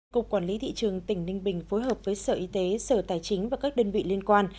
cục quản lý thị trường tỉnh ninh bình phối hợp với sở y tế sở tài chính và các đơn vị liên quan